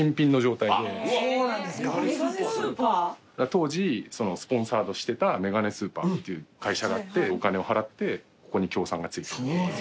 当時スポンサーをしてたメガネスーパーっていう会社があってお金を払ってここに協賛が付いてたそうです。